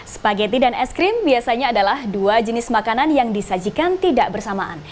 spageti dan es krim biasanya adalah dua jenis makanan yang disajikan tidak bersamaan